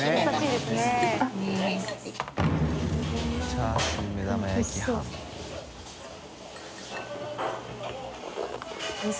「チャーシュー目玉焼き飯」